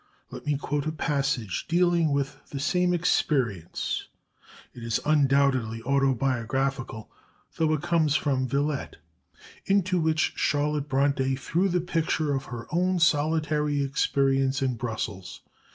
Let me quote a passage dealing with the same experience; it is undoubtedly autobiographical, though it comes from Villette, into which Charlotte Bronte threw the picture of her own solitary experiences in Brussels.